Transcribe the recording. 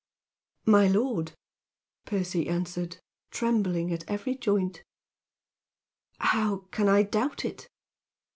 "My lord," Percy answered, trembling at every joint, "how can I doubt it?